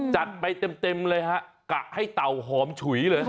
จัดไปเต็มเลยฮะกะให้เต่าหอมฉุยเลย